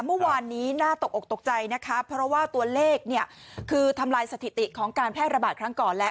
เมื่อวานนี้น่าตกอกตกใจนะคะเพราะว่าตัวเลขเนี่ยคือทำลายสถิติของการแพร่ระบาดครั้งก่อนแล้ว